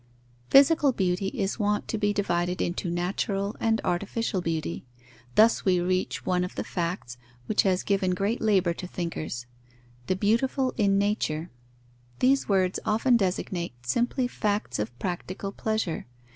_ Physical beauty is wont to be divided into natural and artificial beauty. Thus we reach one of the facts, which has given great labour to thinkers: the beautiful in nature. These words often designate simply facts of practical pleasure.